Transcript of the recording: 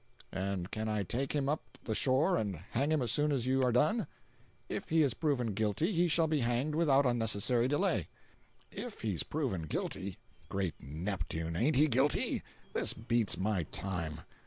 "And can I take him up the shore and hang him as soon as you are done?" "If he is proven guilty he shall be hanged without unnecessary delay." "If he's proven guilty. Great Neptune, ain't he guilty? This beats my time.